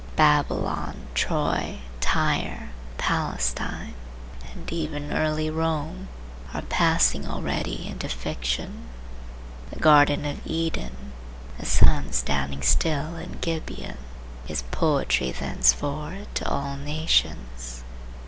Babylon, Troy, Tyre, Palestine, and even early Rome are passing already into fiction. The Garden of Eden, the sun standing still in Gibeon, is poetry thenceforward to all nations.